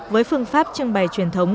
với phương pháp trưng bày truyền thống